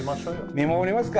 見守りますか！